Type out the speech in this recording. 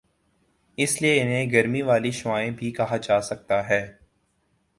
اسی لئے انہیں گرمی والی شعاعیں بھی کہا جاسکتا ہے